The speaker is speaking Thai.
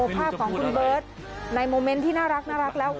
ภาพของคุณเบิร์ตในโมเมนต์ที่น่ารักแล้ว